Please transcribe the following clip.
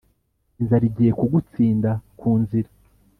inzara igiye kugutsinda ku nzira